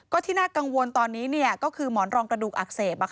ก็ที่น่ากังวลตอนนี้ก็คือหมอนรองกระดูกอักเสบ